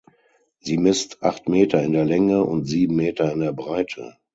Sie misst acht Meter in der Länge und sieben Meter in der Breite.